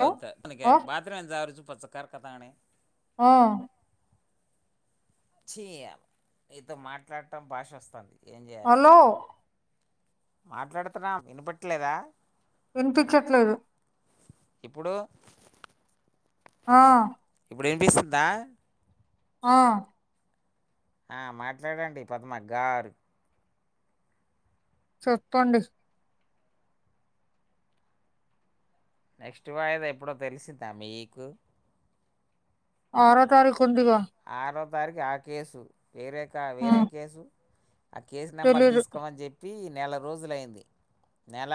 Hello తనకి ఆ బాత్రూమెంత [unintelligible] పచ్చకార్ కథానే ఆ చెయ్యాల నీతో మాట్లాట్టం భాషొస్తాంది. హలో మాట్లాడ్తున్నా వినపిట్లేదా. వినిపించట్లేదు. ఇప్పుడు ఆ అప్పుడపిసిందా ఆ ఆ మాట్లాడండి పద్మగ్గారు చెప్పండి నెక్స్ట్ వాయిద ఎప్పుడో తెలిసిందా మీకు అర తారఖు కొందిగా తారికి ఆ కేసు వేరే కా వేరే కేసు ఆ కేసు నెంబర్ తెలీదు తీసుకోమని చెప్పిన వి నెల రోజులు అయింది నెల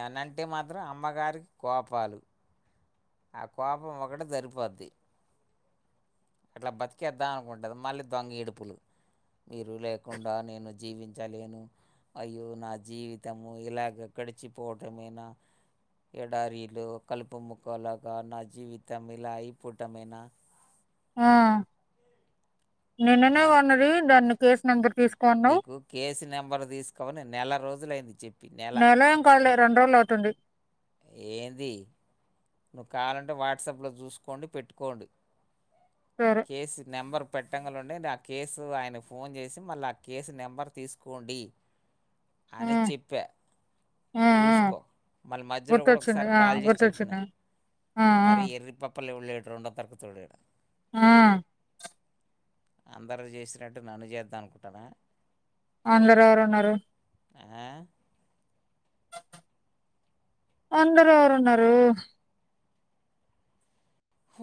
ఎవనంటే మాత్రం అమ్మగారికి కోపాలు ఆ కోపం ఒకటి సరిపోద్ది అట్లా బతికేద్దా అనుకుంటుంది మళ్ళీ దొంగ ఏడుపులు మీరు లేకుండా నేను జీవించలేను అయ్యో నా జీవితము ఇలాగ గడిచిపోవటమైనా ఎడారీలు కలుపు ముక్కలాగా నా జీవితం ఇలా అయిపోవటమైనా ఆ నిన్ననే ఆ? కొన్నది దాన్ని కేస్ నంబర్ నీకు కేసు నెంబరు తీసుకవని నెల రోజులైంది చెప్పి నెల ఏం కాలే రెండు రోజులు అవుతుంది ఏంది నువ్వు కావాలంటే వాట్సాప్లో చూసుకోండి పెట్టుకోండి సరే కేసు నెంబర్ పెట్టంగ ఉండే ఆ కేసు ఆయనకు ఫోన్ చేసి మళ్ళీ ఆ కేసు నెంబర్ తీసుకోండి ఆ అని చెప్పా చూసుకో మళ్ళీ మధ్ గుర్తు వచ్చింది ఆ గుర్తు వచ్చింది ఆ ఆ పప్పల్లి ఉ రెండో తర్కుతులిడం ఆ అందరూ చేసినట్టు నన్ను చేద్దా అనుకుంటున్నా అందరు ఎవరున్నారు ఏ అందరు ఎవరున్నారు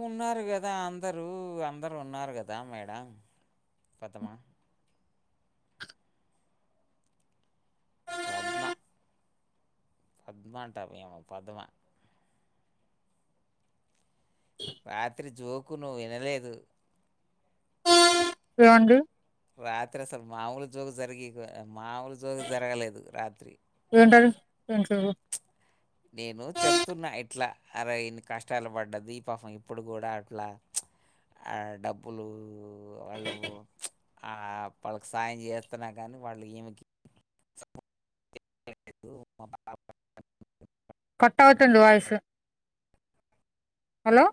ఉన్నారు కదా అందరూ అందరు ఉన్నారు కదా మేడం పద్మా పద్మ పద్మ అంట ఇయమా పద్మ రాత్రి జోకు నువ్వు వినలేదు ఏవండి రాత్రి అసలు మాముూలు జోగు జరిగి మామూలు జోక్ జరగలేదు రాత్రి తెలిసేది నేను చెప్తున్నా ఇట్లా అర ఇన్ని కష్టాలు పడ్డది ఈ పాపం ఇప్పుడు కూడా అట్లా డబ్బులు వాళ్ళు వాళ్ళకి సాయం చేస్తున్నా కానీ వాళ్ళు ఏమి ఎ కట్ అవుతుంది వాయిస్ హలో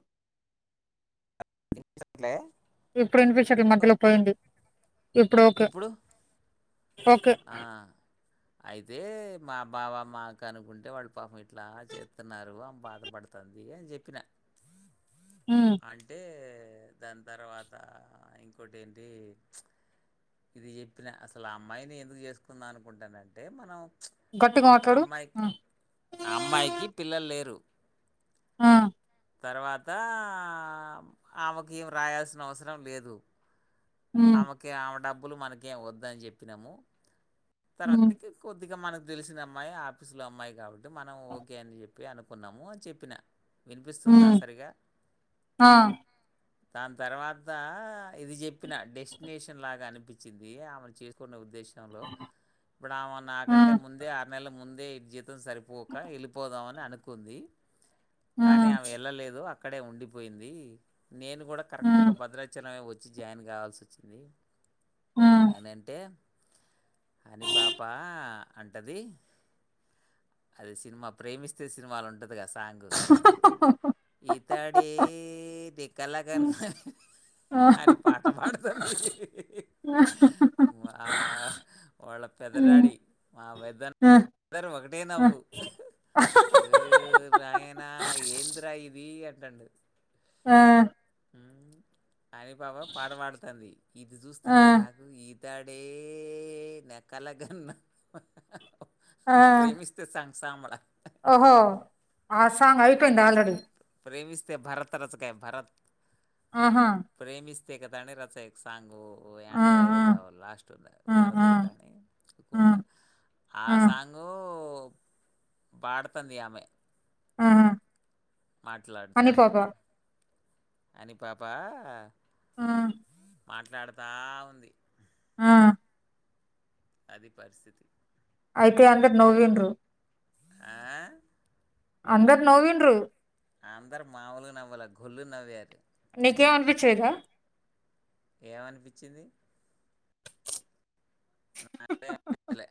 వినిపించట్లే ఇప్పుడు వినిపించాలే ఈ మధ్యలో పోయింది ఇప్పుడు ఓకే ఓకే ఆ, అయితే మా బావ మా కనుకుంటే వాడు పాపం ఇట్లా చేస్తున్నారు అమే బాధపడుతుంది అని చెప్పిన ఉమ్ అంటే దాని తర్వాత ఇంకోటి ఏంటి ఇది చెప్పిన అసలు ఆ అమ్మాయిని ఎందుకు చేసుకుందాం అనుకుంటానంటే మనం గట్టిగా ఆ మాట్లాడు అమ్మాయికి ఆ ఆ అమ్మాయికి పిల్లలు లేరు ఆ తర్వాతా ఆమెకు ఏం రాయాల్సిన అవసరం లేదు. ఉమ్ ఆమెకి ఆమె డబ్ మనకేం వద్దని చెప్పినము. తన ఉమ్ [inaudible] కొద్దిగ మన తెలిసిన అమ్మాయి ఆఫీసులో అమ్మాయి కాబట్టి మనం ఓకే అని చెప్పి అనుకున్నాము. చెప్పిన వినిపిస్తుందా ఉమ్ సరిగా ఆ దాని తర్వాత ఇది చెప్ చెప్పిన డెస్టినేషన్ లాగా అనిపించింది ఆమె చేసుకునే ఉద్దేశం లో ఇప్పుడు ఆమె ఆ నాకంటే ముందే ఆరు నెలల ముం అదే జీతం సరిపోక ఎళ్ళిపోదామని అనుకుంది. ఆ కానీ అమే ఎళ్ళలేదు అ అక్కడే ఉండిపోయింది. నేను కూడా ఆ కరెక్ట్గా భద్రాచలం మే వ జాయిన్ కావాల్సిసోచ్చింది. నేనంటే అంటే అని పాపా అంటది అది సినిమా ప్రేమిస్తే సినిమాల ఉంటది. సాంగు ఇతడే నే ఉమ్, కలగన్నది. ఆ ఆ అని పాట పాడ్ మా వాళ్ళ పెద్దడాడి మా పెద్ద అ ఇద్దరు ఒకటే నవ్వు నాయన ఏంది రా ఇది అంటండు ఆ అని పాపం పాట పాడుతంది ఇది చూస్తుంటే ఆ నాకు ఏ ఇతడే నా కలగన్న ఆ ప్రేమిస్తే సాంగ్ సామల ఓహో ఆ సాంగ్ అయిపోయింది ఆల్రెడీ ప్రేమస్తే భరత రసకాయ భరత్ ఆహా తె కదండీ రచయిత సాంగూ ఆ ఓయండో ఇగ ఆ సావాలె లాస్టు ఆ భరత్ కు ఆ కాని కూండ ఆ సాంగు పాడతంది ఇగ ఆమె ఉ మాట్లాడుతాయ్ అని పాపా ఆ మాట్లాడుతా ఉంది అ అది పరిస్థితి అయితే అందరు నవిండ్రు ఆ అందర్ నవ్విండ్రు అందరు మామూలు నవ్వాల గుళ్ళు నవ్వారు నీకేమనిపిచేద ఏమనిపిచింది నాకె అనిపితలే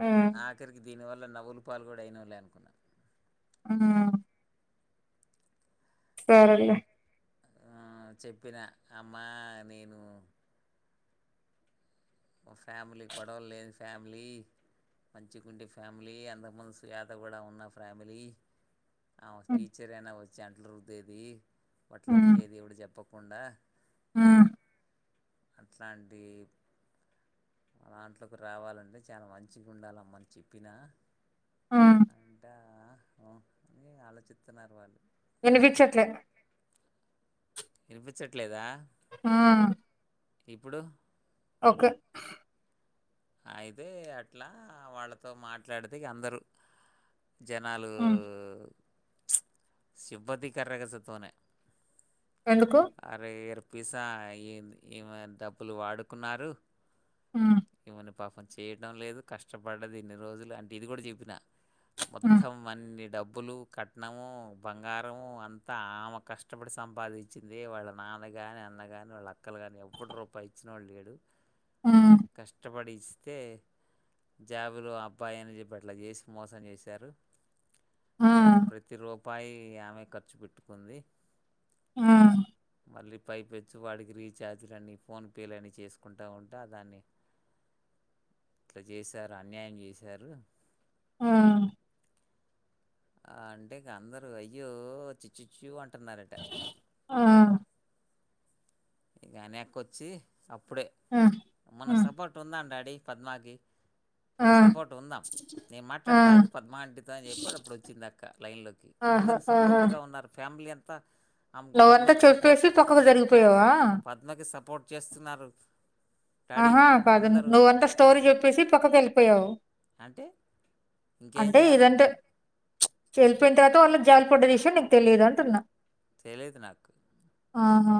హ్మ్ ఆఖరికి దీనివల్ల నవ్వులు పాలు కూడా అయినవులే అనుకున్నా అందగాడు సరేలే ఆ చెప్పిన అమ్మా నేను మా ఫ్యామిలీ గొడవలు లేని, ఫ్యామిలీ మంచి గుండె ఫ్యామిలీ, అంతముందు స్వేత కూడా ఉన్న ఫ్యామిలీ. ఆమక్ హ్మ్ టీచరేనా వచ్ చెంట్లురుద్దెది బట్లు ఉతికేది ఈవిడ చెప్పక్ ప్పుండా ఆ అట్లాంటి మాదంట్లోకి రావాలంటే చాలా మంచిగా ఉండాలమ్మని చెప్పినా. హ్మ్. అంటా ఒ అని ఆలోచితున్నారు వాళ్ళు వినిపిచట్లే ఇనిపిచట్లేదా ఆ ఇప్పుడు ఒకే అయితే అట్లా వాళ్ళతో మాట్లాడితే ఇగ అందరు జనాలు హ్మ్. సిబ్బతి కర్రగసతోనె ఎందుకు? అరేరు పిసా ఏ ఏ డబ్బులు వాడుకున్నారు హ్మ్. ఇన్న పాపం చేయటం లేదు కష్టపడ్డదు ఎన్ని రోజులు అంటే ఇది కూడా చెప్పిన హ్మ్. మొత్తం అన్ని డబ్బు అబ్బులు కట్నము బంగారము అంతా ఆమె కష్టపడి సంపాదించు వచ్చింది వాళ్ళ నాన్న కాని అన్న కాని వాళ్ళ అక్కలు కాని ఎవడు రూపాయి ఇచ్చినా వాళ్ళు లేడు హ్మ్. కష్టపడి ఇస్తే జాబులు అబ్బాయిని చెప్పి అట్లా చేసి మోసం చేశారు అ హ్మ్. ప్రతి రోగ ఉపాయి ఆమె ఖర్చు పెట్టుకుంది ఆ మళ్ళీ పైపచ్చు వాడికి రీఛార్జ్లన్నీ ఫోన్పేలున్నీ చేసుకుంటూ ఉంటా దాన్ని ఇట్లా చేశారు అన్యాయం చేశారు ఆ ఆ అంటే ఇకా అందరు వెయ్యో చిచ్చు చిచ్చు అంట పట్టన్నారట హ్మ్. ఇ నే ఎక్కొచ్చి అప్పుడే హ్మ్. మన హ్మ్. సపోర్ట్ ఉందాం డాడీ పద్మాగి మన హ్మ్. సపోర్ట్ ఉందాం నేను మాట్లాడే హ్మ్. తాగు పద్మావంటిత అని చెప్పడు అప్పుడు వచ్చింది అక్క లైన్లోకి ఆహా! అందరుూ సపోర్ట్గా ఉన్నారు ఫ్యామిలీ అంతా త్త నవంతా చూలిసి పక్కకు జరిగిపోయవారు పద్మాకి సపోర్ట్ చేస్తున్నారు డాడీ ఆహా పద అందరూ నువ్వంటే స్టోరీ చెప్పేసి పక్కకి వెళ్ళిపోయావు అంటే ఇంకేం చేయాలా చళ్ళిపోయిన తర్వాత వాళ్ళు జాలిపడ్డ విషయం నీకు తెలియదు అంటున్నా తెలియదు నాకు ఆహా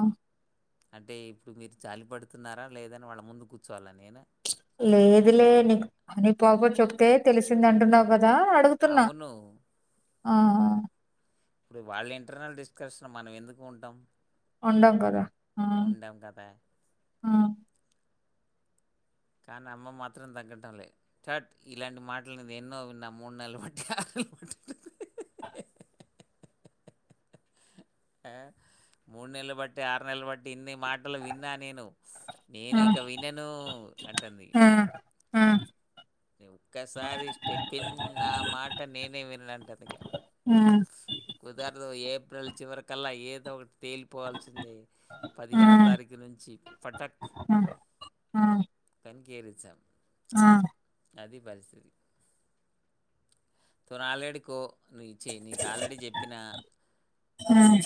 అంటే ఇప్పుడు మీరు జాలి పడుతున్నారా లేదని వాళ్ళ ముందు కూర్చోవాలా నేను లేదు లే నీ నీ పోప చెప్తే తెలిసింద అంటున్నావు క అదా అడుగుతున్నా అవును ఆ ఇప్పుడు వాళ్ళ ఇంటర్నల్ డిస్కషన్ మనం ఎందుకు ఉంటాం అందం కదా ఆ! ఉండం కదా ఆ! కానీ అమ్మ మాత్రం తగ్గడంలే చట్ ఇలాంటి మాటలుది ఎన్నో విన్నా మూడు నెలలు బట్టి ఆరు నెలలు పట్టి ఆ మూడు నెలలు బట్టి ఆరు నెలలు బట్టి ఇన్ని మాటలు విన్నా నేను నేను ఆ! ఇక వినను అంటుంది ఆ! ఆ ఒక్కసారి స్టెపిన్ నా మాట నేనే వినంట ఇంటది కుదరదు ఏప్రిల్ చివరకల్లా ఏదో ఒక తేలిపోవాల్సిందే ఆ! ఆ! పదిహేనో తారీఖు నుంచి పటక్ ఆ! ఆ అన్కీరించాం [unintelligible] ఆ అదీ పరిస్థితి తను ఆల్రెడీ కో నువిచ్చే నీకు ఆల్రెడీ చెప్పిన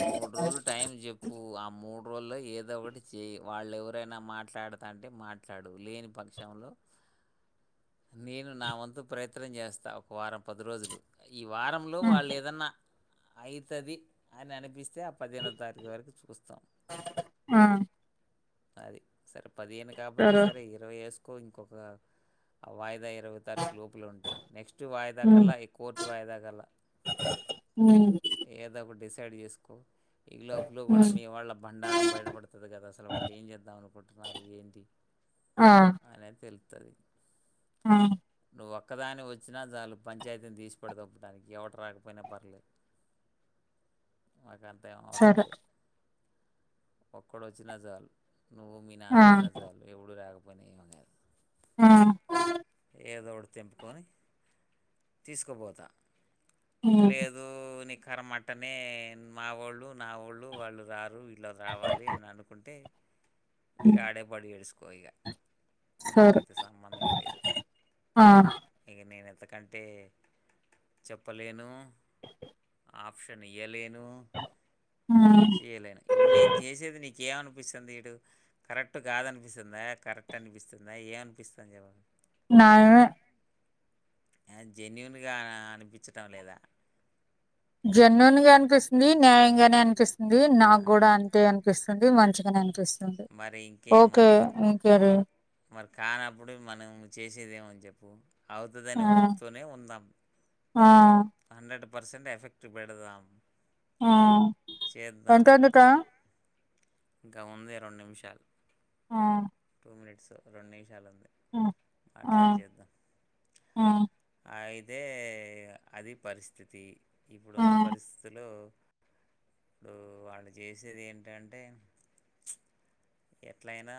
మూడు రోజులు టైం చెప్పు అ మూడు రోజుల్లో ఏదో ఓటి చేయి వాళ్ళు ఎవరైనా మాట్లాడతాంటే అంటే మాట్లాడు లేని పక్షంలో నేను నా వంతు ప్రయత్నం జేస్తా ఒక వారం పది రోజులు ఈ వారంలో ఆ! వాళ్ళు ఏదన్నా అఇతది అని అనిపిస్తే ఆ పదిహేనో తారీఖు వరకు చూస్తాం ఆ అది సరె పదిహేను కాకపోతే సరే ఇరవై ఏసు కో ఇంకొక వాయిదా ఇరవయ్యో తారీకు లోపల ఉంటే నెక్స్ట్ వాయిదా హ్మ్. కల్లా హైకోర్టు వాయిదా గల ఊ ఏదో ఒకటి డిసైడ్ చేసుకో ఇ లోపల కూడా హ్మ్. మీ వాళ్ళ బండారం బయటపడుతుంది కదా అసలు వాళ్ళు ఏం చేద్దాం అనుకుంటున్నారు ఏంటి ఆ ద ఆ! నువ్వు ఒక్కదాని ఓచ్చినా జాలు పంచాయతీని తీసి పడదొబ్బుత ఎవడు రాకపోయినా పర్లేదు మాకంత ఏ అవసరం సరే. లేదు ఒక్కడోచ్చినా జాలు నువ్వు మీ నానా ఆ! నోచ్చిన జాలు ఎవడు రాక పనేమీలేదు ఆ ఏదోటి తెంపుకొని తీసుకోపోత హ్మ్. లేదు నిఖరమట్టనే మా ఓళ్ళు నా ఓళ్ళు వాళ్ళు రారు ఇట్ల రావాలి అని అనుకుంటే ఇక ఆడేపడి ఏడుసుకో ఇగ సరే. నాకైతే సంబంధం ఏ లేదు ఆ! ఇగ నేను అయితే కంటే చెప్పలేను ఆప్షన్ ఇయాలేను హ్మ్. చేయలేను ఇప్పుడు నేను చేసేది నీకేమ అనిపిస్తుంది ఇడు కరెక్ట్ కాదనిపిస్తుందా కరెక్ట్ అనిపిస్తుందా ఏవనిపిస్తుంది చెప్పు న్యాయమే అ జన్యునుగ అ అనిపించటము లేదా జన్యునుగా గానే అనిపిస్తుంది న్యాయంగానే అనిపిస్తు ది ఆ! నాగూడా అంతే అని పిస్తుంది మంచిగనే అనిపిస్తు అదే మరి ఇంకే ఓకే ఇంకేది కానప్పుడుమనం చేసేదేముంది చెప్పు అవుతుందిని ఆ! హోప్తోనే ఉందాం ఆ! హండ్రెడ్ పర్సెంట్ ఎఫెక్ట్ పెడదాం ఆ చేద్దాం. ఎంత అయ్యింది టైం ఇంకా ఉందే రెండు నిమిషాలు ఆ టూ మనిట్స్ రెండు నిమిషాలు ఆ! ఆ! మాట్లాడి చేద్దాం ఆ! ఆ అదే అది పరిస్థితి ఆ! ఇప్పుడున్న పరిస్థితులో ఇప్పుడు వాళ్ళు చేసేది ఏంటంటే ఎట్లయినా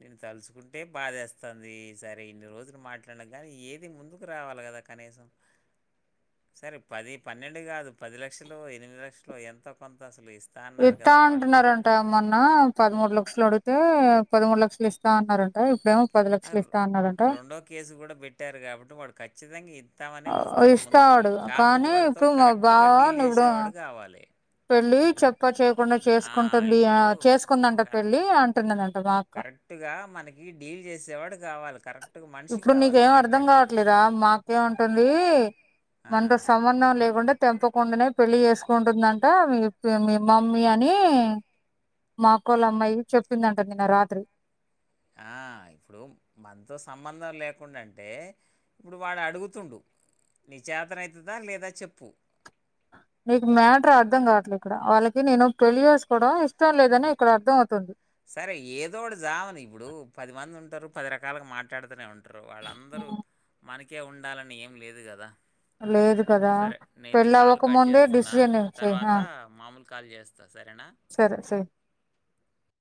నేను తలుచుకుంటే బాదేస్తోంది సరే ఇన్ని రోజులు మాట్లాడిన కానీ ఏది ముందుకు రావాలి కదా కనీసం సరే పది పన్నెండు కాదు పది లక్షలు ఎనిమిది లక్షలు ఎంత కొంత అసలు అన్నారు ఇస్తా కదా వాడు ఉంటున్నారంటమొన్న పదమూడు లక్షలు అడుగు పదమూడు లక్షలు ఇస్తా అన్నారంట ఇప్పుడేమో అసలు ఇస్తా అన్నారంట. రెండో కేసు కూడా పెట్టారు కాబట్టి వాడు ఖచ్చితంగా ఇ ఇస్తామనే ఆహ్, వస్తాడు ముందుకి ఇస్తాడు కాకపోతే కానీ వాళ్ళతో ఇప్పుడు మా కరెక్ట్ గా డీల్ చేసేవాడు కావాలి వెళ్లి చెప్ప చెప్పా చేయకుండా ఆ, చేసుకుంటుంది ఇప్పుడు చేసుకుందంట కరెక్ట్ పెళ్ళి అంటున్నదంట మా అక్క కరెక్ట్గా మనకి డీల్ చేసేవాడు కావాలి కరెక్ట్గా మనిషి ఇప్పుడు కావాలి నీకేం అర్ధం మాట్లాడు కావట్లేదా మా అక్క ఏం ఏంది ఆ. మనతో సంబంధం లేకుండా తెంపకుండానే పెళ్ళి చేసుకుంటుందంట ట మీ మమ్మీ అని మా కోళ్ళ అమ్మాయి చెప్పిందంట నిన్న రాత్రి అహ ఇప్పుడు మనతో సంబంధం లేకుండా అంటే ఇప్పుడు వాడు అడుగుతుడు నిచాతన అవుతుందా లేదా చెప్పు నీకు మ్యాటర్ అర్థం కావట్లే ఇక్కడ వాళ్ళకి నేను పెళ్లి చేేసుకోవడం ఇష్టం లేదని ఇక్కడ అర్థం అవుతుంది సరే ఏదోడు ఒకటి జావని ఇప్పుడు పది మంది ఉంటు ఉంటారు పది రకాలుగా మాట్లాడుతూనే ఉంటారు రు వాళ్ళందరూ మనకి కే ఉండాలని ఏం లేదు కదా లేదు కదా సరే నేను ఇది పెళ్ళి కాలు అవ్వక కట్ ముందే చేస్తున్నా డిసిజన్ చేయి తర్వాత ఆ, మామూలు కాల్ చేస్తా సరేనా సరే సరే